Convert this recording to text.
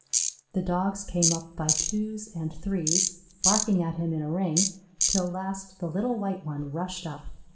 The Dogs came up by twos and threes, barking at him in a ring, till last the little white one rushed up.